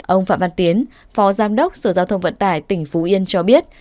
ông phạm văn tiến phó giám đốc sở giao thông vận tải tỉnh phú yên cho biết